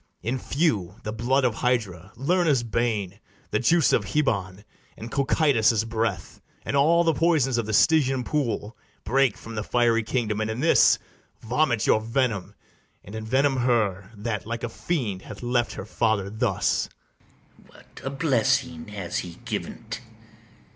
In few, the blood of Hydra, Lerna's bane, The juice of hebon, and Cocytus' breath, And all the poisons of the Stygian pool, Break from the fiery kingdom, and in this Vomit your venom, and envenom her That, like a fiend, hath left her father thus! ITHAMORE. What a blessing has he given't!